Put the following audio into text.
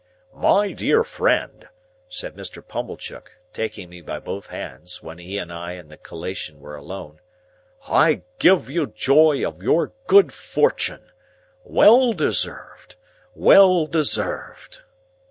"My dear friend," said Mr. Pumblechook, taking me by both hands, when he and I and the collation were alone, "I give you joy of your good fortune. Well deserved, well deserved!"